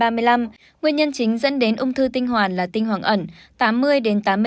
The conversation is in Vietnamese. nguyên nhân chính dẫn đến ung thư tinh hoàn là tinh hoàn ẩn